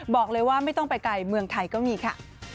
บอกเลยว่าไม่ต้องไปไกลเมืองไทยก็มีค่ะ